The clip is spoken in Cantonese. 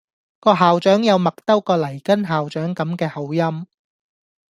個校長有麥兜個黎根校長咁嘅口音⠀